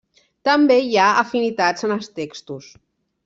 També hi ha afinitats en els textos.